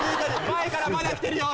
前からまだ来てるよ